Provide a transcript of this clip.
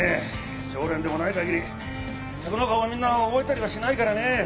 常連でもないかぎり客の顔はみんな覚えたりはしないからね。